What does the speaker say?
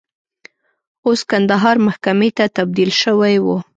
اوس کندهار محکمې ته تبدیل شوی و.